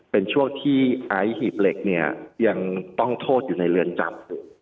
เป็นช่วงที่อายหิบเหล็กยังต้องโทษอยู่ในเรือนจับ